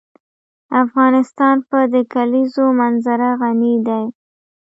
افغانستان په د کلیزو منظره غني دی.